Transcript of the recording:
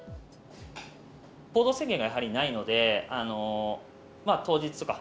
行動制限がやはりないので、当日とか、